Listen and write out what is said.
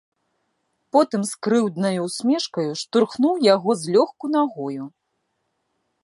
Потым з крыўднаю ўсмешкаю штурхнуў яго злёгку нагою.